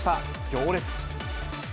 行列。